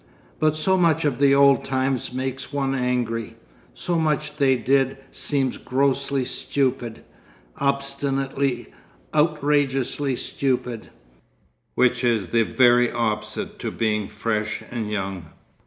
But so much of the old times makes one angry. So much they did seems grossly stupid, obstinately, outrageously stupid, which is the very opposite to being fresh and young.